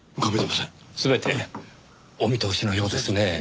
全てお見通しのようですねぇ。